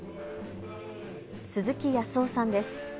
鈴木康雄さんです。